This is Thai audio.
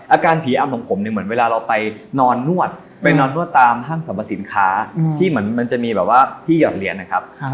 อาการผีอำของผมเนี่ยเหมือนเวลาเราไปนอนนวดไปนอนนวดตามห้างสรรพสินค้าที่เหมือนมันจะมีแบบว่าที่หยอดเหรียญนะครับ